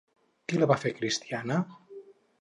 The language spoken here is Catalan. Qui la va fer cristiana?